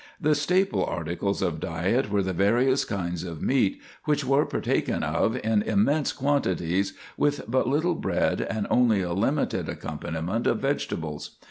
The staple articles of diet were the various kinds of meat, which were partaken of in immense quantities, with but little bread and only a limited accompaniment of vegetables.